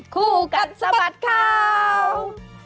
คู่กัดสะบัดข่าว